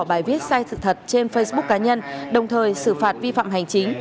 bài viết sai sự thật trên facebook cá nhân đồng thời xử phạt vi phạm hành chính